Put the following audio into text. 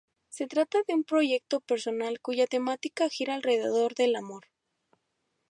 Se trata de un proyecto personal cuya temática gira alrededor del amor.